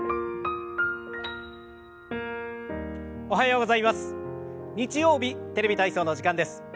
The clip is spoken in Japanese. おはようございます。